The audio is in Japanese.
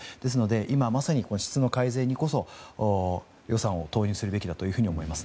今、まさに質の改善にこそ予算を投入するべきだと思います。